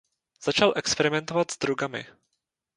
Začal experimentovat s drogami.